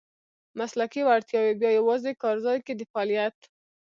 مسلکي وړتیاوې بیا یوازې کارځای کې د فعالیت .